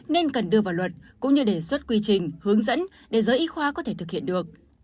nên cần đưa vào luật cũng như đề xuất quy trình hướng dẫn để giới y khoa có thể thực hiện được